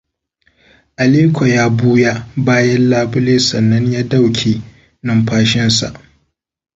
Aliko ya buya bayan labule sannan ya dauke numfashinsa.